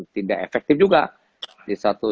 tidak efektif juga di satu